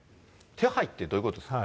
手配ってどういうことですか？